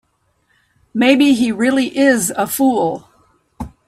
Maybe he really is a fool.